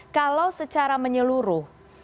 kalau secara menyeluruh